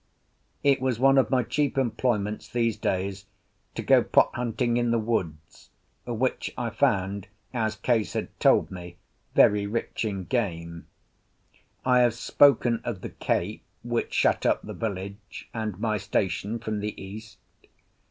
It was one of my chief employments these days to go pot hunting in the woods, which I found (as Case had told me) very rich in game. I have spoken of the cape which shut up the village and my station from the east.